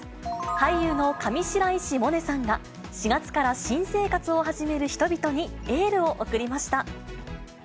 俳優の上白石萌音さんが、４月から新生活を始める人々にエールを送りました。